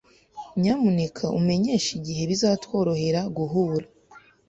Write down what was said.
Nyamuneka umenyeshe igihe bizatworohera guhura?